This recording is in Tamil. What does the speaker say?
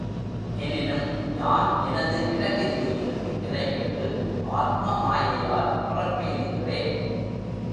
எனினும் யான் எனது பிரகிருதியில் நிலைபெற்று ஆத்ம மாயையால் பிறப்பெய்துகிறேன்.